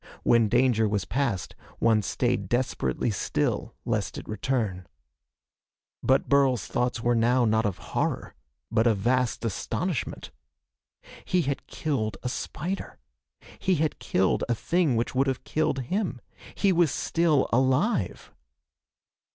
When danger was past, one stayed desperately still lest it return. But Burl's thoughts were now not of horror but a vast astonishment. He had killed a spider! He had killed a thing which would have killed him! He was still alive!